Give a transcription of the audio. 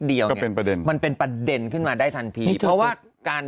ก็เป็นประเด็นมันเป็นประเด็นขึ้นมาได้ทันทีเพราะว่าการ